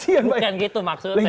bukan gitu maksudnya